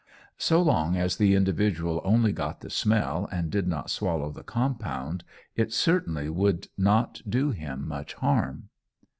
So long as the individual only got the smell and did not swallow the compound, it certainly would not do him much harm.